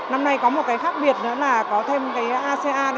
năm nay có một cái khác biệt nữa là có thêm cái asean